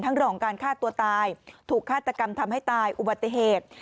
เรื่องของการฆ่าตัวตายถูกฆาตกรรมทำให้ตายอุบัติเหตุ